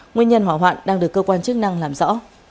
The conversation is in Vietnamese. nguyên nhân hỏa hoạn đang được cơ quan chức năng làm rõ